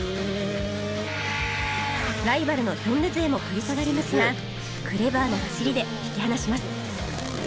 ライバルのヒョンデ勢も食い下がりますがクレバーな走りで引き離します